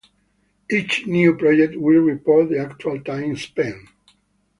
Each new project will record the actual time spent.